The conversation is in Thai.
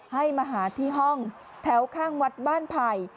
ให้มาหาที่ห้องแถวข้างวัดบ้านไผ่